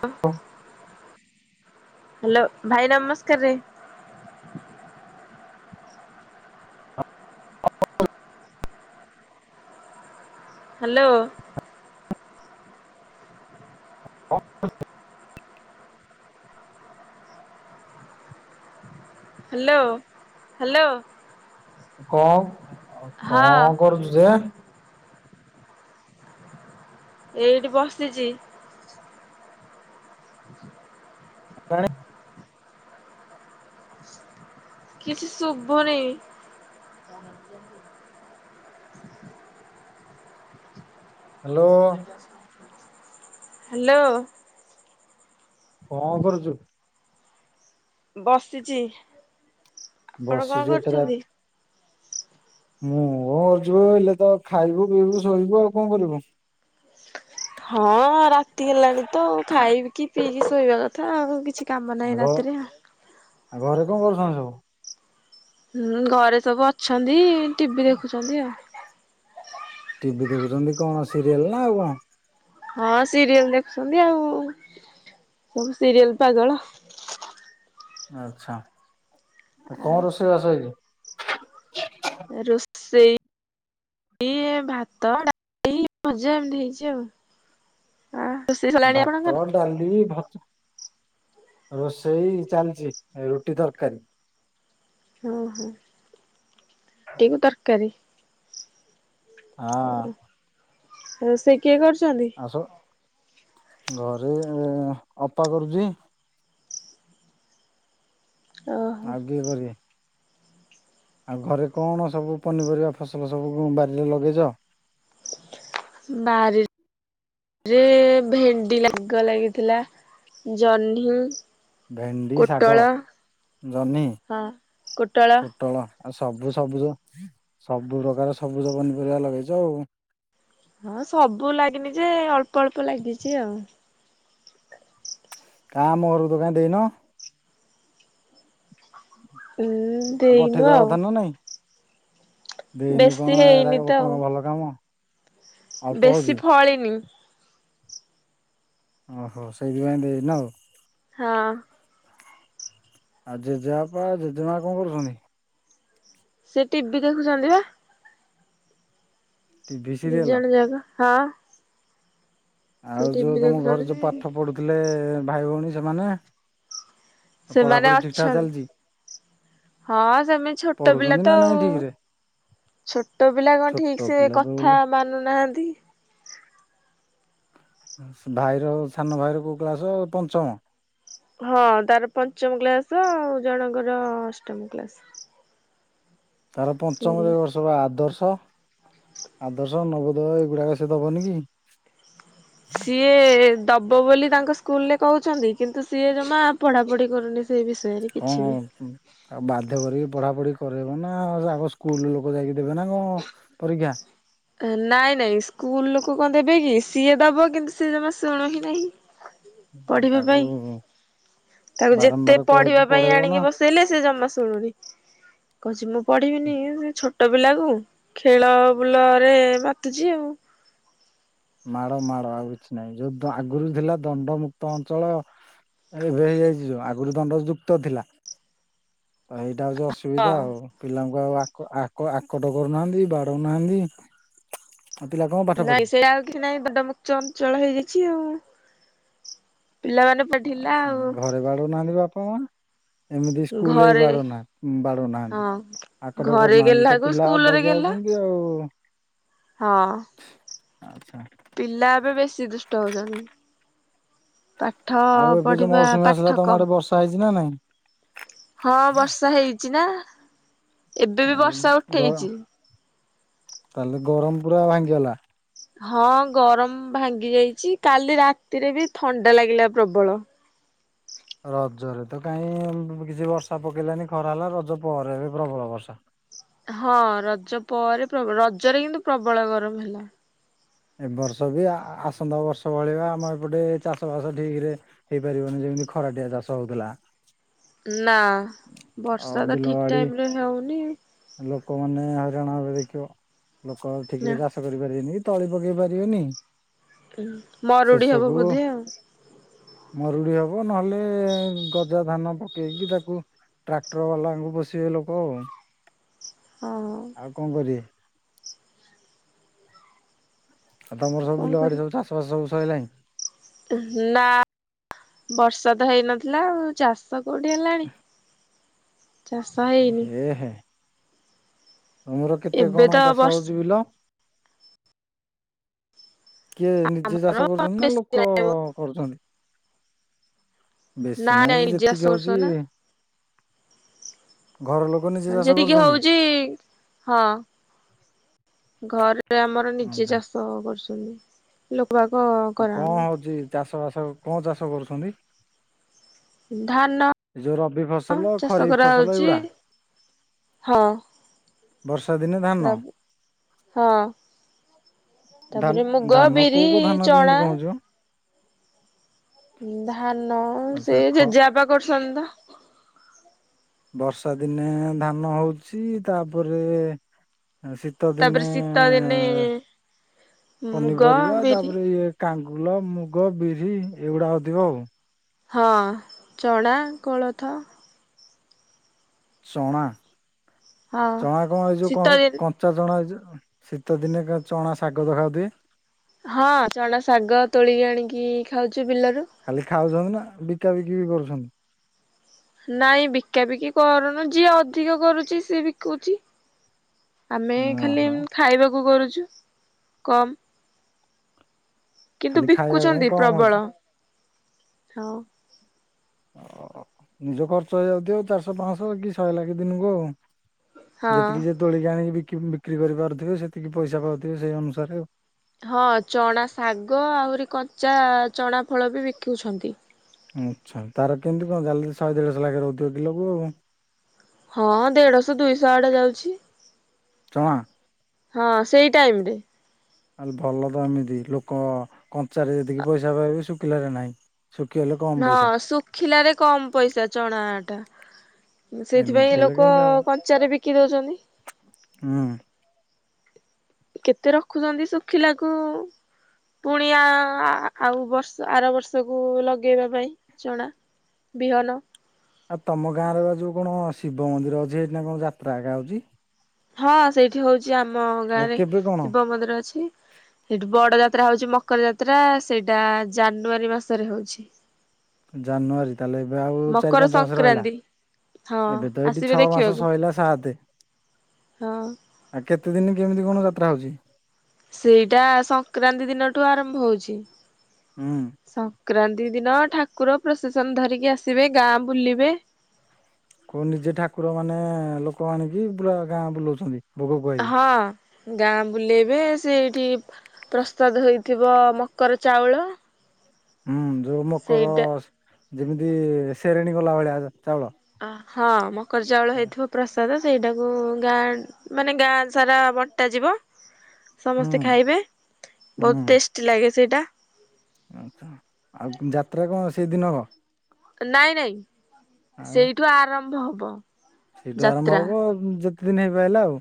ଅଁ। ହାଲୋ ଭାଇ ନମସ୍କାରେ। [inaudible] ହ୍ୟାଲୋ। [unintelligible] Hello hello. କଣ ହଁ କଣ କରୁଛୁ ଯେ? ଏଇଠି ବସିଛି। [unintelligible] କିଛି ଶୁଭନି। ହ୍ୟାଲୋ। ହ୍ୟାଲୋ। କଣ କରୁଛୁ? ବସିଛି ଆପଣ କଣ ବସିଛୁ ଏଥର କରୁଛନ୍ତି? ମୁଁ ଅର୍ଜୁ ଏଇଲେ ତ ଖାଇବୁ ପିଇବୁ ଶୋଇବୁ ଆଉ କଣ କରିବୁ? ହଁ ରାତି ହେଲାଣି ତ ଖାଇକି ପିଇକି ଶୋଇବା କଥା ଆଉ କିଛି କାମ ନାହିଁ ଘ ରାତିରେ। ଘରେ କଣ କରୁଛନ୍ତି ସବୁ? ହୁଁ ଘରେ ସବୁ ଅଛନ୍ତି ଟିଭିି ଦେଖୁଛନ୍ତି ଆଉ। ଟିଭି ଦେଖୁଛନ୍ତି କଣ ସିରିଏଲ ନା ଆଉ କଣ? ହଁ ସିରିଏଲ ଦେଖୁଛନ୍ତି ଆଉ ସବୁ ସିରିଏଲ ପାଗଳ। ଆଚ୍ଛା କଣ ରୋଷେଇ ବାସ ହେଇଛି? ରୋଷେଇ ଈ ଭାତ ଡାଲିି ଭଜା ଏମିତି ହେଛି ଆଉ। ରୋଷେଇ ସରିଲାଣି ଭାତ ଆପଣଙ୍କର? ଡାଲି ଭା ରୋଷେଇ ଚାଲିଛି ରୁଟି ତରକାରୀ। ଓ ହୋ ଟି କୁ ତରକାରୀ? ହଁ ଓ ରୋଷେଇ କିଏ କରୁଛନ୍ତି? ଆସ ଘରେ ଅପା କରୁଛି। ଓହୋ ଆଉ କିଏ କରିବେ? ଆଉ ଘରେ କଣ ସବୁ ପନିପରିବା ଫସଲ ସବୁ ବାରିରେ ଲଗେଇଛ? ବାରି ରେ ଭେଣ୍ଡି ଲାଗ ଲାଗିଥିଲା ଜହ୍ନି ଭେଣ୍ଡି ଶାଗ କୋଟଳ ଜହ୍ନି, ହଁ କୋଟଳ। ପୋଟଳ ଆଉ ସବୁ ସବୁଜ ସବୁ ପ୍ରକାର ସବୁଜ ପନିପରିବା ଲଗେଇଛ ଆଉ। ହଁ ସବୁ ଲାଗିନି ଯେ ଅଳ୍ପ ଅଳ୍ପ ଲାଗିଛି ଆଉ। କା ଆମ ଘରକୁ ତ କାଇଁ ଦେଇନ? ଉଁ ଆଉ ଦେଇନୁ ପଠେଇଦବା ଆଉ। କଥା ନା ନାଇଁ। ଦେଇନୁ ବେଶୀ କଣ ଏରା ହେଇନି ତ ଆଉ। କଣ ଭଲ କାମ? ଅଳ୍ପ ବେଶୀ ହଉଛି। ଫଳିନି। ଓହୋ ସେଇଥିପାଇଁ ଦେଇିନ ଆଉ। ହଁ। ଆଉ ଜେଜେବାପା ଜେଜେମା କଣ କରୁଛନ୍ତି? ସେ ଟିଭିି ଦେଖୁଛନ୍ତି ବା। ଟିଭି ଦି ସିରିଏଲ ଜଣ ଜାଗ ହଁ। ସେ ଆଉ ଟିଭି ଯୋଉ ତମ ଘରେ ଯୋଉ ଦେଖୁଛନ୍ତି। ପାଠ ପଢୁଥିଲେ ଭାଇ ଭଉଣୀ ସେମାନେ? ସେମାନେ ପଢାପଢି ଠିକ ଠାକ ଅଛନ୍ତି ଚାଲିଛି? ହଁ ସେମି ଛୋଟ ପିଲା ପଢୁଛନ୍ତି ନା ତ ନାଇଁ ଆଉ। ଠିକ ରେ? ଛୋଟ ପିଲା କଣ ଛୋଟ ଠିକ ସେ ପିଲା ତ କଥା ବୋଲେ ମାନୁନାହାନ୍ତି। ଭାଇର ସାନ ଭାଇର କୋଉ କ୍ଲାସ ପଞ୍ଚମ? ହଁ ତାର ପଞ୍ଚମ କ୍ଲାସ ଆଉ ଜଣଙ୍କର ଅଷ୍ଟମ କ୍ଲାସ। ତାର ସେ ପଞ୍ଚମରେ ଏ ବର୍ଷ ବା ଆଦର୍ଶ ଆଦର୍ଶ ନବ। ତ ଏଗୁଡ଼ାକ ସେ ଦବନି କି? ସିଏ ଦବ ବୋଲି ତାଙ୍କ ସ୍କୁଲରେ କହୁଛନ୍ତି କିନ୍ତୁ ସିଏ ଜମା ପଢା ପଢି କରୁନି। ସେଇ ବିଷୟରେ କଣ କିଛି ବି। ବାଧ୍ୟ କରିକି ପଢାପଢି କରେଇବ ନା ଆଉ ଆଗ ସ୍କୁଲ ଲୋକ ଯାଇକି ଦେବେ ନା କଣ ପରୀକ୍ଷା। ନାଇଁ ନାଇଁ ସ୍କୁଲ ଲୋକ କଣ ଦେବେ କି? ସିଏ ଦବ କିନ୍ତୁ ସେ ଜମା ଶୁଣୁ ହିଁ ନାହିଁ। ପଢିବା ତାକୁ ପାଇଁ, ତାକୁ ଯେତେ ବାରମ୍ବାର କହିକି ପଢିବା ପାଇଁ ପଢେଇବ ନା ଆଣିକି ବସ ଲେ ସେ ଜମା ଶୁଣୁନି। କହୁଚି ମୁଁ ପଢିବିନି ଏମିତି ଛୋ ଛୋଟ ପିଲାକୁ ଖେଳ ବୁଲରେ ମାତୁଛି ଆଉ। ମାଡ ମାଡ ଆଉ କିଛି ନାହିଁ ଯୋଉ ଆଗରୁ ଥିଲା ଦଣ୍ଡମୁକ୍ତ ଅଞ୍ଚଳ ଏବେ ହେଇଯାଇଛି ଯୋଉ ଆଗରୁ ଦଣ୍ଡ ଯୁକ୍ତ ଥିଲା। ତ ଏଇଟା ହଉଛି ଅସୁବିଧା ହଁ। ଆଉ। ପିଲାଙ୍କୁ ଆଉ ଆକ ଆକ ଆକଟ କରୁନାହାନ୍ତି ବାଡଉନାହାନ୍ତି। ଆଉ ପିଲା କମ୍ ନାଇଁ ସେ ଆଉ କିଛି ନାଇଁ ଦଣ୍ଡମୁକ୍ତ ଅଞ୍ଚଳ ହେଇଯାଇଛି ଆଉ ପିଲାମାନେ ପୁରା ଢିଲା ଆଉ। ଘରେ ବାଡାଉ ନାହାନ୍ତି ବାପା ମା ଏମିତି ସ୍କୁଲ ରେବି ଘରେ ବାଡୋଉ ନାଆ ବାଡୋଉ ନାହାନ୍ତି ହଁ ଆକଟ ଘରେ କରୁନାହାନ୍ତି ତ ଗେହ୍ଲାକୁ ପିଲା ସ୍କୁଲରେ ଅବାଗିଆ ଗେହ୍ଲା ହୋଉଚନ୍ତି। ଯୋଉ ହଁ। ଆଚ୍ଛା। ପିଲା ଏବେ ବେଶୀ ଦୁଷ୍ଟ ହଉଛନ୍ତି। ପାଠ ପଢିବା, ପାଠ କମ୍ ଖାଇଚି ନା ନାଇଁ। ହଁ ବର୍ଷା ହେଇଛି ନା? ଏବେ ବି ବର୍ଷା ଗର ଉଠେଇଛି। ତାହେଲେ ଗରମ ପୁରା ଭାଙ୍ଗିଗଲା? ହଁ ଗରମ ଭାଙ୍ଗି ଯାଇଛି କାଲି ରାତିରେ ବି ଥଣ୍ଡା ଲାଗିଲା ପ୍ରବଳ। ରଜରେ ତ କାଇ କିଛି ବର୍ଷା ପକେଇଲାନି ଖରା ହେଲା ରଜ ପରେ ଏବେ ପ୍ରବଳ ବର୍ଷା। ହଁ ରଜ ପରେ ପ୍ରବଳ ରଜରେ କିନ୍ତୁ ପ୍ରବଳ ଗରମ ହେଲା। ଏ ବର୍ଷ ବି ଆ ଆସନ୍ତା ବର୍ଷ ଭଳିଆ ଆମ ଏପଟେ ଚାଷବାସ ଠିକ୍ ରେ ହେଇପାରିବନି ଯେମିତି ଖରାଟିଆ ଚାଷ ହଉଥିଲା। ନା ଆଉ ବର୍ଷା ତ ବିଲ ଠିକ୍ ବାଡି ଟାଇମ୍ ରେ ହେଉନି। ଲୋକମାନେ ହଇରାଣ ହେବେ ଦେଖିବ, ଲୋକ ଆଉ ଠିକ୍ ନା ରେ ଚାଷ କରିପାରିବେନି ତଳି ପକେଇ ପାରିବେନି ମରୁଡି ହବ ଶେଷକୁ ବୋଧେ ଆଉ। ମରୁଡି ହବ ନହେଲେ ଗଜା ଧାନ ପକେଇକି ତାକୁ ଟ୍ରାକ୍ଟର ବାଲାଙ୍କୁ ପୋସିବେ ଲୋକ ଆଉ। ହଁ। ଆଉ କଣ କରିବେ? ତମର ସବୁ କଣ ବିଲ ବାଡ଼ି ସବୁ ଚାଷବାସ ସବୁ ସଇଲାଣି? ନାଁ, ବର୍ଷା ତ ହେଇନଥିଲା ଆଉ ଚା ଚାଷ କୋଉଠି ହେଲାଣି? ଚାଷ ହେଇନି। ଏ ହେ। ତମର କେତେ ଏବେ କଣ ତ ଚାଷ ବର୍ଷ ହଉଛି ବିଲ? କିଏ ନିଜେ ଆମର ଚାଷ କରୁଛନ୍ତି ନା ବେଶୀ ଲୋକ ନା କରୁଛନ୍ତି? ବେଶୀ ନାହିଁ ଯେ ନାଇଁ ଚାଷ ଯେତିକି କରୁଛ ହଉଛି ଘର ଲୋକ ନିଜେ ଚାଷ ଯେତିିକି କରୁଛନ୍ତି ହଉଚି ହଁ। ଘରେ ଆମର ନିଜେ ଆଛା ଚାଷ କରୁଚନ୍ତି। ଲୋକବାକ କଣ ହଉଛି ଚାଷ ବାସ କଣ ଚାଷ କରୁଛନ୍ତି? ଧାନ ଏ ଯୋଉ ରବି ଫସଲ ଚାଷ ଖରିଫ ଫସଲ କରାହଉଛି। ଏଇଗୁଡା ହଁ ବର୍ଷା ଦିନେ ଧାନ ରବି ହଁ। ତାପରେ ମୁଗ, ଧାନ କୋଉ ବିରି, କୋଉ ଧାନ କେମିତି ଚଣା। କଣ ହଉଛି ମ ଧାନ ସେ ଆଛା ଖ ଜେଜେବାପା କରୁଛନ୍ତି ତ। ବର୍ଷା ଦିନେ ଧାନ ହଉଚି, ତାପରେ ଶୀତ ଦିନେ ତାପରେ ଶୀତ ଦିନେ ମୁଗ ପନିପରିବା ବିରି ତାପରେ ଇଏ କାଙ୍ଗୁଲ, ମୁଗ, ବିରି ଏଗୁଡ଼ା ହଉଥିବ ଆଉ। ହଁ ଚଣା, କୋଳଥ। ଚଣା ହଁ ଚଣା କଁ ଏଇଯୋଉ କଁ ଶୀତ ଦିନ କ ଞ୍ଚା ଜଣା ଏଯୋଉ ଶୀତଦିନେ ଚଣା ଶାଗ ତ ଖାଉଥିବେ? ହଁ ଚଣା ଶାଗ ତୋଳିକି ଆଣିକି ଖାଉଚୁ ବିଲରୁ। ଖାଲି ଖାଉଛନ୍ତି ନା ବିକା ବିକି ବି କରୁଛନ୍ତି? ନାଇଁ ବିକା ବିକି କରୁନୁ ଯିଏ ଅଧିକ କରୁଚି, ସିଏ ବିକୁଚି। ଆମେ ଖାଲି ଓହୋ ଏମ୍ ଖାଇବାକୁ କରୁଛୁ କମ୍। କିନ୍ତୁ ଖାଲି ଖାଇବା ପାଇଁ ବିକୁଚନ୍ତି କମ ହଉଛି ପ୍ରବଳ ହଁ। ଓ ନିଜ ଖର୍ଚ୍ଚ ହେଇଯାଉଥିବ ଚାରିଶହ ପାଁଶହ କି ଶହେ ଲାଖେ ଦିନକୁ ଆଉ। ହଁ ଯେତିକି ଯିଏ ତୋଳିକି ଆଣିକି ବିକି ବିକ୍ରି କରିପାରୁଥିବେ ସେତିକି ପଇସା ପାଉଥିବେ ସେଇ ଅନୁସାରେ ଆଉ। ହଁ ଚଣା ଶାଗ ଆହୁରି କଞ୍ଚା ଚଣା ଫଳ ବି ବିକୁଛନ୍ତି। ଆଛା ତାର କେମିତି କଣ ଚାଲି ଶହେ ଦେଢଶହ ଲାଖେ ରହୁଥିବ କିଲକୁ ଆଉ। ହଁ ଦେଢଶହ ଦୁଇଶହ ଆଡେ ଯାଉଛି। ଚଣା? ହଁ ସେଇ ଟାଇମରେ। ଆଲ ଭଲ ତ ଏମିତି ଲୋକ କଞ୍ଚାରେ ଯେତିକି ପଇସା ପାଇବେ ଶୁଖିଲାରେ ନାହିଁ। ଶୁଖିଗଲେ କ ହଁ ଶୁଖିଲାରେ କମ ପଇସା ଚଣା ଆ ଟା। ଏମିତି ସେଇଥିପାଇଁ ହେଲେ ଲୋକ କେମିତି ହବ କଞ୍ଚାରେ ବିକି ଦଉଛନ୍ତି। ହୁଁ। କେତେ ରଖୁଚନ୍ତି ଶୁଖିଲାକୁ ପୁଣିଆ ଆ ଆଉ ବର୍ଷ ଆର ବର୍ଷକୁ ଲଗେଇବା ପାଇଁ ଚଣା। ବିହନ। ଆଉ ତମ ଗାଁରେ ବା ଯୋଉ କଣ ଶିବ ମନ୍ଦିର ଅଛି ସେଇଠିନା କଁ ଯାତ୍ରା ଏକା ହଉଚି। ହଁ ସେଇଠି ହଉଚି ଆମ ଆଉ ଗାଁରେ କେବେ କଣ? ଶିବ ମନ୍ଦିର ଅଛି। ସେଠି ବଡ ଯାତ୍ରା ହଉଚି ମକର ଯାତ୍ରା, ସେଇଟା ଜାନୁଆରୀ ମାସରେ ହଉଚି। ଜାନୁଆରୀ ତାହେଲେ ଏବେ ଆଉ ଚାରି ମକର ପାଞ୍ଚ ମାସ ରହିଲା। ସଂକ୍ରାନ୍ତି ହଁ ଏବେ ତ ଏଇଠି ଆସିବେ ଛଅ ମାସ ଦେଖିବାକୁ ସଇଲା ସାତେ। ହଁ। ଆ କେତେ ଦିନ କେମିତି କଣ ଯାତ୍ରା ହଉଚି? ସେଇଟା ସଂକ୍ରାନ୍ତି ଦିନଠୁ ଆରମ୍ଭ ହଉଚି। ହୁଁ। ସଂକ୍ରାନ୍ତି ଦିନ ଠାକୁର ପ୍ରଶେସନ ଧରିକି ଆସିବେ ଗାଁ ବୁଲିବେ। କୁ ନିଜେ ଠାକୁର ମାନେ ଲୋକ ଆଣିକି ପୁରା ଗାଁ ବୁଲଉଛନ୍ତି? ଭୋଗ ଖୁଆଇକି। ହଁ। ଗାଁ ବୁଲେଇବେ ସେଇଠି ପ୍ରସାଦ ହେଇଥିବ ମକର ଚାଉଳ। ହୁଁ ଯୋଉ ମକର ସେଇଟା ଯେମିତି ଶେରେଣୀ କଲା ଭଳିଆ ଚାଉଳ। ଅ ହଁ ମକର ଚାଉଳ ହେଇଥିବ। ପ୍ରସାଦ ସେଇଟାକୁ ଗାଁ ମାନେ ଗାଁ ସାରା ବଣ୍ଟାଯିବ। ହୁଁ ସମସ୍ତେ ଖାଇବେ ବହୁତ ଟେଷ୍ଟି ଲାଗେ ସେଇଟା। ଆଚ୍ଛା ଆଉ ଯାତ୍ରା କଣ ସେଇଦିନ ହବ। ନାଇଁ ନାଇଁ ଆଉ ସେଇଠୁ ଆରମ୍ଭ ହବ। ସେଇଠୁ ଆରମ୍ଭ ଯାତ୍ରା। ହବ ଯେତେ ଦିନ ହେଇପାଇଲା ଆଉ।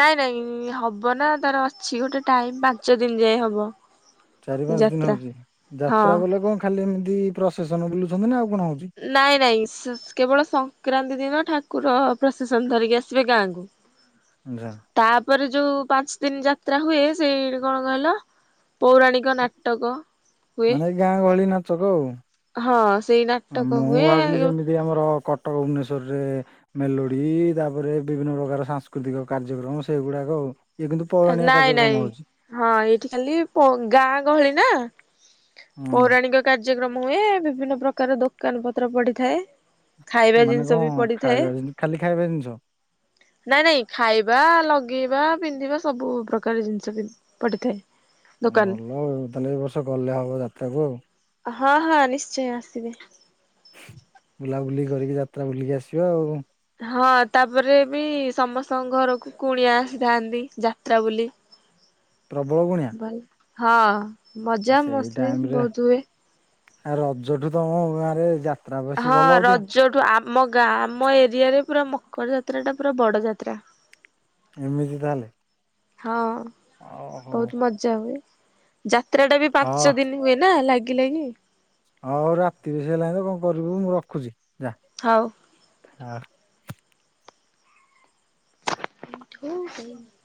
ନାଇଁ ନାଇଁ ହବ ନା ତାର ଅଛି ଗୋଟେ ଟାଇମ ପାଞ୍ଚ ଦିନି ଯାଏ ହବ। ଚାରି ପାଞ୍ଚ ଦିନ ଯାତ୍ରା ହଉଚି, ଯାତ୍ରା ହଁ। ବୋଲେ କଁ ଖାଲି ଏମିତି ପ୍ରଶେସନ୍ ବୁଲୁଛନ୍ତି ନା ଆଉ କଣ ହଉଚି? ନାଇଁ ନାଇଁ କେବଳ ସଂକ୍ରାନ୍ତି ଦିନ ଠାକୁର ପ୍ରସେସନ୍ ଧରିକି ଆସିବେ ଗାଁ କୁ। [unintelligible] ତାପରେ ଯୋଉ ପାଞ୍ଚ ଦିନ ଯାତ୍ରା ହୁଏ ସେଇ କଣ କହିଲ ପୌରାଣିକ ନାଟକ ହୁଏ। ମାନେ ଗାଁ ଗହଳି ନାଚକ ଆଉ। ହଁ ସେଇ ନା ହଁ ମୁଁ ଭାବିଲି ଯେମିତି ଆମର କଟକ ଭୁବନେଶ୍ଵରରେ ମେଲୋଡ଼ି ତାପରେ ବିଭିନ୍ନ ପ୍ରକାର ସାଂସ୍କୃତିକ କାର୍ଯ୍ୟକ୍ରମ ସେଗୁଡ଼ାକ ଆଉ। ଇଏ କିନ୍ତୁ ପୌରାଣିକ ନାଇଁ ନାଇଁ କାର୍ଯ୍ୟକ୍ରମ ହଉଛି। ହଁ ଏଇଠି ଖାଲି ପୌ ଗାଁ ଗହଳି ନା ହୁଁ ପୌରାଣିକ କାର୍ଯ୍ୟକ୍ରମ ହୁଏ, ବିଭିନ୍ନ ପ୍ରକାର ଦୋକାନ ପତ୍ର ପଡ଼ିଥାଏ। ମାନେ କଣ ଖାଇବା ଖାଲି ଖାଇବା ଜିନିଷ? ନାଇଁ ନାଇଁ ଖାଇବା, ଲଗେଇବା, ପିନ୍ଧିବା ସ ସବୁ ପ୍ରକାର ଜିନିଷ ବି ପଡ଼ିଥାଏ। ଭଲ ଆଉ ତାହେଲେ ଏ ବର୍ଷ ଗଲେ ହବ ଯାତ୍ରାକୁ ଆଉ। ହଁ ହଁ ନିଶ୍ଚୟ ଆସିିବେ। ବୁଲାବୁଲି କରିକି ଯାତ୍ରା ବୁଲିକି ଆସିବା ଆଉ। ହଁ ତାପରେ ବି ସମସ୍ତଙ୍କ ଘରକୁ କୁଣିଆ ଆସିଥାନ୍ତି, ଯାତ୍ରା ବୋଲି। ପ୍ରବଳ କୁଣିଆ? ହଁ ମଜା ମସ୍ଲିସି୍ ବହୁତ ହୁଏ। ଆଉ ରଜଠୁ ତମ ଗାଁ ରେ ଯା ହଁ ରଜଠୁ ଆମ ଗାଁ ଆମ ଏରିଆ ରେ ପୁରା ମକର ଯାତ୍ରା ଟା ପୁରା ବଡ଼ ଯାତ୍ରା। ଏମିତି ତାହେଲେ? ହଁ ଓ ହଉ ବହୁତ୍ ମଜା ହୁଏ। ଯାତ୍ରା ଟା ବି ହଁ ପାଞ୍ଚ ଦିନ ହୁଏ ନା ଲାଗିଲାଗି। ହଉ ହଉ ରାତି ବେଶୀ ହେଲାଣି ତୁ କଣ କରିବୁ ମୁଁ ରଖୁଛି ଯାଆ। ହଉ। [unintelligible] [inaudible]